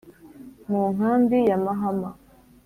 Mu nkambi ya Mahama